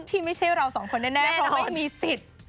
ที่ไม่ใช่เราสองคนแน่เพราะไม่มีสิทธิ์